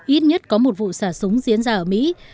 ít nhất có một vụ xả súng diễn ra ở mỹ